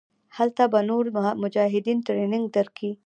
هلته به نور مجاهدين ټرېننگ درکي.